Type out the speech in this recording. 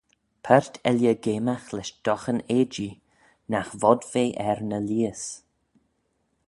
Paart elley geamagh lesh doghan eajee nagh vod ve er ny lheihys.